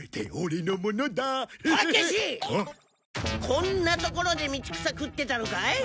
こんなところで道草食ってたのかい？